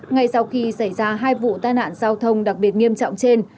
ngay sau khi xảy ra hai vụ tai nạn giao thông đặc biệt nghiêm trọng trên